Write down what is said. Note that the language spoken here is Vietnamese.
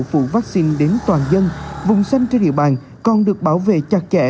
phụ vaccine đến toàn dân vùng xanh trên địa bàn còn được bảo vệ chặt chẽ